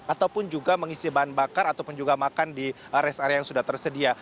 ataupun juga mengisi bahan bakar ataupun juga makan di rest area yang sudah tersedia